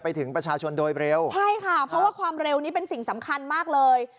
ไปถึงประชาชนโดยเร็วใช่ค่ะเพราะว่าความเร็วนี้เป็นสิ่งสำคัญมากเลย